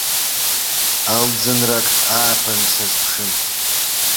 Алӡынрак ааԥын сазыԥшын.